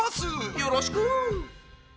よろしく！